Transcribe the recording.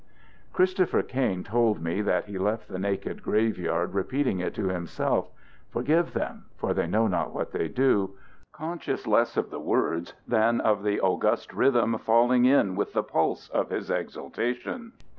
Christopher Kain told me that he left the naked graveyard repeating it to himself, "Forgive them, for they know not what they do," conscious less of the words than of the august rhythm falling in with the pulse of his exaltation.